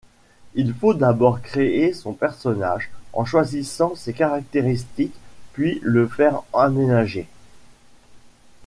Il faut d'abord créer son personnage, en choisissant ses caractéristiques, puis le faire emménager.